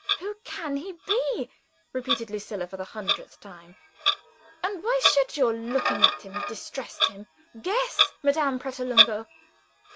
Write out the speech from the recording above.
"Who can he be?" repeated Lucilla, for the hundredth time. "And why should your looking at him have distressed him? Guess, Madame Pratolungo!"